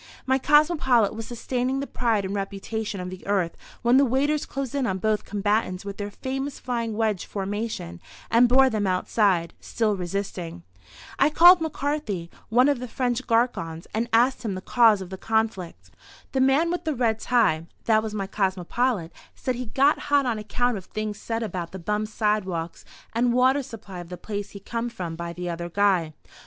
My cosmopolite was sustaining the pride and reputation of the Earth when the waiters closed in on both combatants with their famous flying wedge formation and bore them outside, still resisting. I called McCarthy, one of the French garçons, and asked him the cause of the conflict. "The man with the red tie" (that was my cosmopolite), said he, "got hot on account of things said about the bum sidewalks and water supply of the place he come from by the other guy."